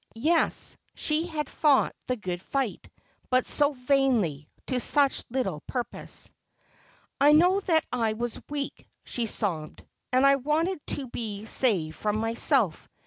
Yes, she had fought the good fight : but so vainly, to such little purpose !' I knew that I was weak,' she sobbed, ' and I wanted to be saved from myself.